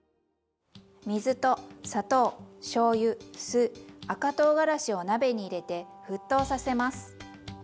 水と砂糖しょうゆ酢赤とうがらしを鍋に入れて沸騰させます。